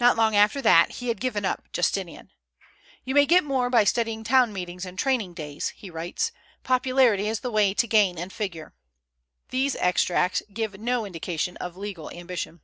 Not long after that, he had given up Justinian. "You may get more by studying town meetings and training days," he writes. "Popularity is the way to gain and figure." These extracts give no indication of legal ambition.